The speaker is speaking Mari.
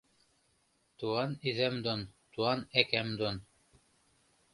Туан ӹзам дон, туан ӓкам дон